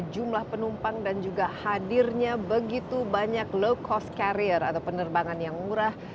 industri ini merupakan jaringan yang banyak dan juga hadirnya begitu banyak low cost carrier atau penerbangan yang murah